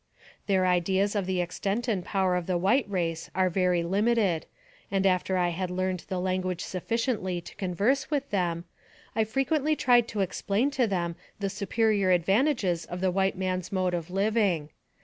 Their ideas of the extent and power of the white race are very limited, and after I had learned the lan guage sufficiently to converse with them, I frequently tried to explain to them the superior advantages of the white man's mode of living.